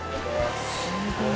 すごい。